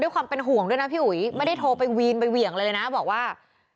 แต่ห่วงด้วยนะพี่อุ๋ยไม่ได้โทรไปวีนไปเวียงเลยนะบอกว่า